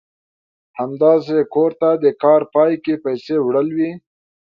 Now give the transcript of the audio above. همداسې کور ته د کار پای کې پيسې وړل وي.